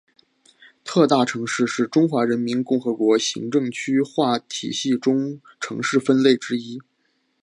特大城市是中华人民共和国行政区划体系中城市分类之一。